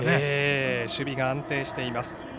守備が安定しています。